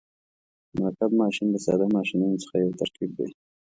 مرکب ماشین د ساده ماشینونو څخه یو ترکیب دی.